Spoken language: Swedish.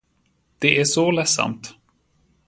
Det är så ledsamt.